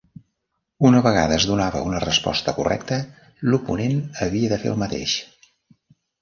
Una vegada es donava una resposta correcta, l'oponent havia de fer el mateix.